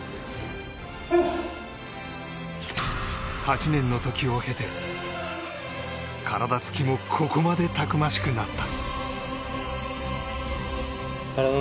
８年の時を経て、体付きもここまでたくましくなった。